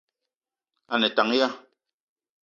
A ne tank ya ?